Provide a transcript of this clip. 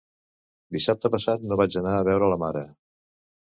Dissabte passat no vaig anar a veure la mare